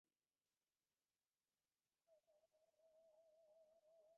Police ঘটনাস্থলে গেলে আবদুল হালিম দৌড় দিয়ে পাহাড় থেকে খাদে পড়ে যান।